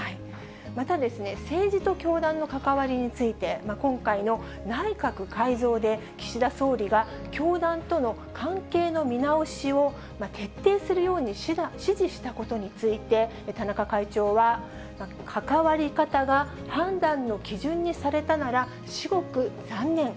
また、政治と教団の関わりについて、今回の内閣改造で、岸田総理が教団との関係の見直しを徹底するように指示したことについて、田中会長は、関わり方が判断の基準にされたなら、至極残念。